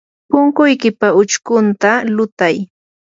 punkuykipa uchkunta lutay.